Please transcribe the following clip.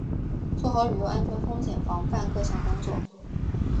做好旅游安全风险防范各项工作